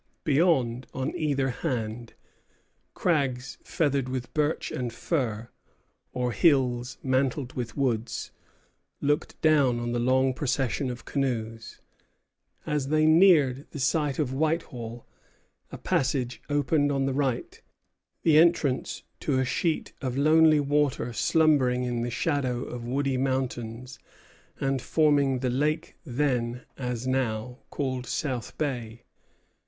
Beyond, on either hand, crags feathered with birch and fir, or hills mantled with woods, looked down on the long procession of canoes. As they neared the site of Whitehall, a passage opened on the right, the entrance to a sheet of lonely water slumbering in the shadow of woody mountains, and forming the lake then, as now, called South Bay.